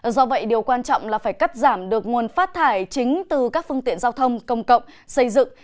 do vậy điều quan trọng là phải cắt giảm được nguồn phát thải chính từ các phương tiện giao thông công cộng xây dựng